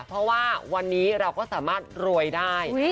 เพราะว่าวันนี้เราก็สามารถรวยได้